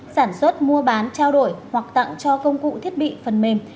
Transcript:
sản xuất mua bán trao đổi hoặc tặng cho công cụ thiết bị phần mềm